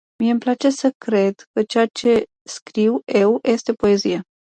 Mie îmi place să cred că ceea ce scriu eu este poezie.